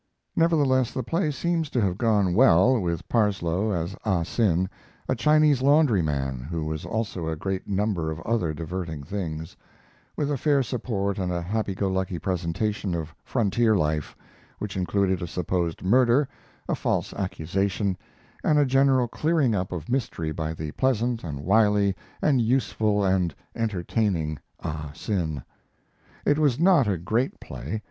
Nevertheless, the play seems to have gone well, with Parsloe as Ah Sin a Chinese laundryman who was also a great number of other diverting things with a fair support and a happy go lucky presentation of frontier life, which included a supposed murder, a false accusation, and a general clearing up of mystery by the pleasant and wily and useful and entertaining Ah Sin. It was not a great play.